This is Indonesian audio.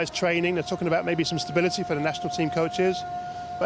mereka berbicara tentang stabilitas untuk pemain tim nasional